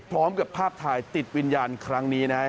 พร้อมกับภาพถ่ายติดวิญญาณครั้งนี้นะครับ